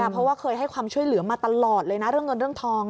เพราะว่าเคยให้ความช่วยเหลือมาตลอดเลยนะเรื่องเงินเรื่องทอง